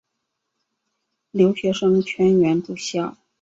留学生全员住校。